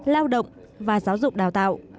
lao động và giáo dục đào tạo